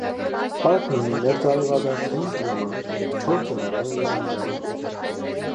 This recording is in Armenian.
Պարկն ունի մերձարևադարձային կլիմա՝ չոր ձմեռային եղանակով։